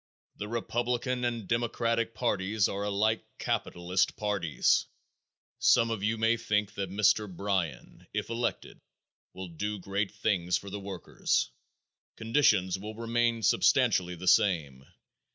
The republican and democratic parties are alike capitalist parties. Some of you may think that Mr. Bryan, if elected, will do great things for the workers. Conditions will remain substantially the same.